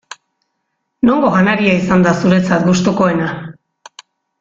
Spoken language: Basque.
Nongo janaria izan da zuretzat gustukoena?